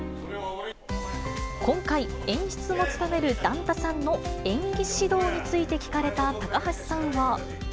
今回、演出も務める段田さんの演技指導について効かれた高橋さんは。